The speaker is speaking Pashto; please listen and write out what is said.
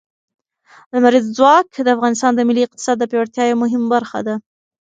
لمریز ځواک د افغانستان د ملي اقتصاد د پیاوړتیا یوه مهمه برخه ده.